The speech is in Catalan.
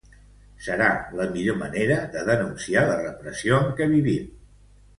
Serà la millor manera de denunciar la repressió en què vivim.